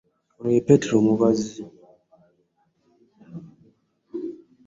Ono ye Petero omubazzi.